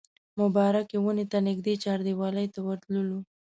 مبارکې ونې ته نږدې چاردیوالۍ ته ورتللو.